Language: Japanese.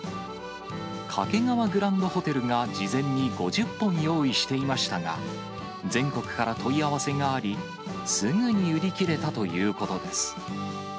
掛川グランドホテルが事前に５０本用意していましたが、全国から問い合わせがあり、すぐに売り切れたということです。